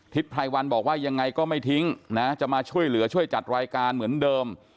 ไพรวันบอกว่ายังไงก็ไม่ทิ้งนะจะมาช่วยเหลือช่วยจัดรายการเหมือนเดิม